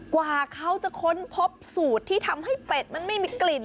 กว่าเขาจะค้นพบสูตรที่ทำให้เป็ดมันไม่มีกลิ่น